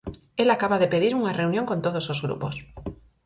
El acaba de pedir unha reunión con todos os grupos.